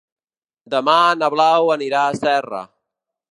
Demà na Blau anirà a Serra.